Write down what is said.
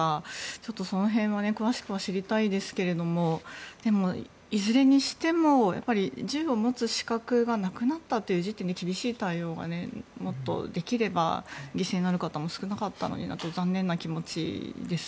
ちょっとその辺は詳しく知りたいですけどでも、いずれにしても銃を持つ資格がなくなったという時点で厳しい対応がもっとできれば犠牲になる方も少なかったのになと残念な気持ちです。